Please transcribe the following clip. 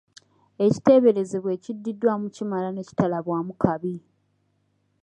Ekiteeberezebwa ekiddiddwamu kimala ne kitalabwamu kabi.